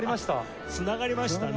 繋がりましたね。